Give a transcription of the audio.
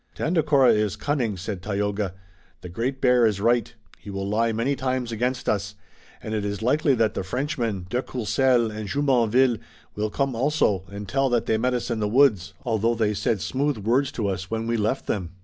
"Tandakora is cunning," said Tayoga. "The Great Bear is right. He will lie many times against us, and it is likely that the Frenchmen, de Courcelles and Jumonville, will come also and tell that they met us in the woods, although they said smooth words to us when we left them."